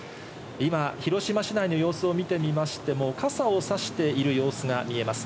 今、広島市内の様子を見てみましても、傘をさしている様子が見えます。